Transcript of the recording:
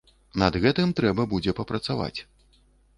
Над гэтым трэба будзе папрацаваць.